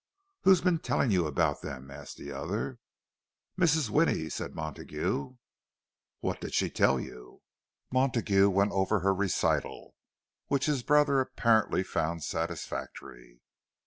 "Who's been telling you about them?" asked the other. "Mrs. Winnie," said Montague. "What did she tell you?" Montague went over her recital, which his brother apparently found satisfactory.